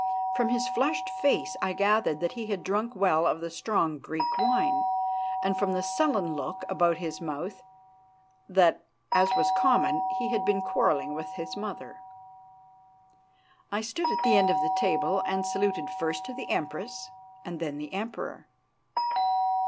From his flushed face I gathered that he had drunk well of the strong Greek wine, and from the sullen look about his mouth that, as was common, he had been quarrelling with his mother. I stood at the end of the table and saluted first the Empress and then the Emperor.